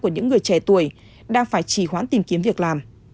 của những người trẻ tuổi đang phải trì hoãn tìm kiếm việc làm